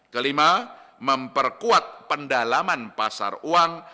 kelima memperkuat pendalaman pasar uang